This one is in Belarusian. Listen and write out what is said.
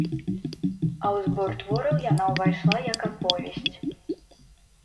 А ў збор твораў яна ўвайшла як аповесць.